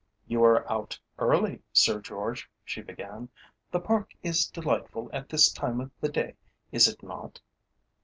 "You are out early, Sir George," she began. "The Park is delightful at this time of the day, is it not?"